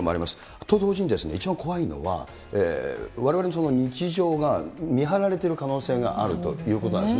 と同時に、一番怖いのは、われわれの日常が見張られている可能性があるということなんですね。